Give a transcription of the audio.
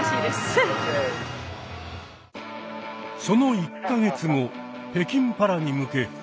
その１か月後北京パラに向け